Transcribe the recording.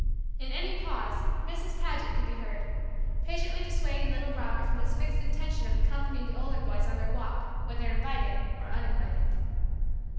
In any pause, Mrs. Paget could be heard, patiently dissuading little Robert from his fixed intention of accompanying the older boys on their walk, whether invited or uninvited.